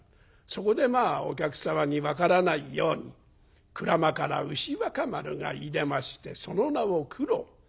そこでまあお客様に分からないように『鞍馬から牛若丸がいでましてその名を九郎』。